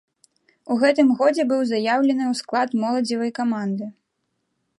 У гэтым годзе быў заяўлены ў склад моладзевай каманды.